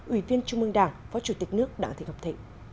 ủy viên trung ương đảng phó chủ tịch nước đảng thị ngọc thị